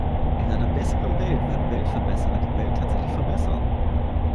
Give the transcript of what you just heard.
In einer besseren Welt würden Weltverbesserer die Welt tatsächlich verbessern.